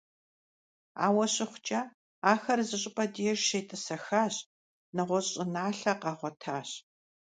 Ауэ щыхъукӀэ, ахэр зыщӀыпӀэ деж щетӀысэхащ, нэгъуэщӀ щӀыналъэ къагъуэтащ.